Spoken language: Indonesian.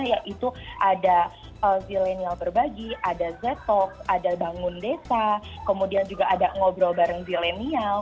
yaitu ada zilenial berbagi ada z talks ada bangun desa kemudian juga ada ngobrol bareng zilenial